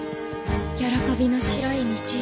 「喜びの白い道」。